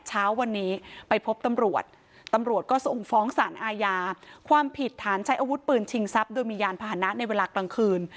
เช้าวันนี้ไปพบตำรวจตำรวจก็ส่งฟ้องสารอาญาความผิดฐานใช้อาวุธปืนชิงทรัพย์โดยมียานพาหนะในเวลากลางคืน